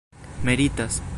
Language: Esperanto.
meritas